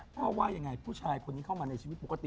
ว่ายังไงผู้ชายคนนี้เข้ามาในชีวิตปกติ